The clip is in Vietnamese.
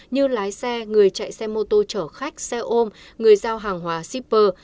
như lái xe người chạy xe mô tô chở khách xe ôm người giao hàng hóa shipper